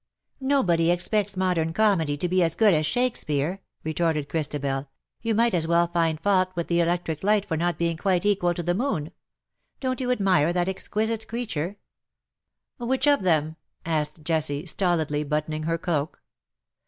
^''" Nobody expects modern comedy to be as good as Shakespeare/^ retorted Christabel ;'^ you might CUPID AND PSYCHE. 227 as well find fault with the electric light for not being quite equal to the moon. Don't you admire that exquisite creature T' '^ Which of them T' asked Jessie^ stolidly, buttoning her cloak.